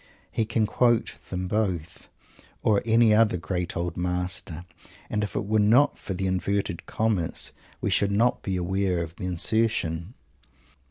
He can quote them both or any other great old master and if it were not for the "inverted commas" we should not be aware of the insertion.